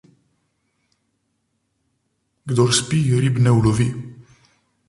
Kdor spi, rib ne ulovi.